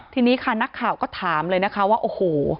ทีนี้ค่ะนักข่าวก็ถามเลยนะคะว่าโอ้โห